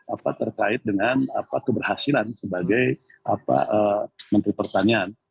apa terkait dengan keberhasilan sebagai menteri pertanian